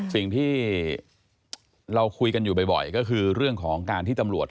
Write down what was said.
สิ่งที่เราคุยกันอยู่บ่อยก็คือเรื่องของการที่ตำรวจ